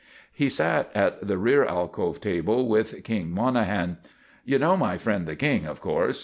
He sat at the rear alcove table with "King" Monahan. "You know my friend the King, of course?"